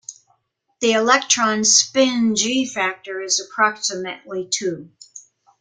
The electron spin g-factor is approximately two.